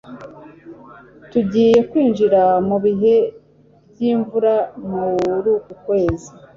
tujyiye kwinjira mubihe byimvura muruku kwezi